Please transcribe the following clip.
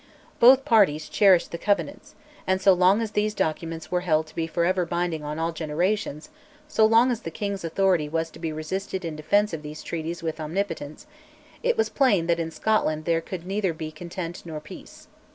Both parties still cherished the Covenants, and so long as these documents were held to be for ever binding on all generations, so long as the king's authority was to be resisted in defence of these treaties with Omnipotence, it was plain that in Scotland there could neither be content nor peace.